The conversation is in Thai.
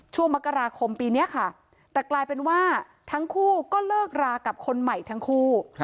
ช่วงมกราคมปีนี้ค่ะแต่กลายเป็นว่าทั้งคู่ก็เลิกรากับคนใหม่ทั้งคู่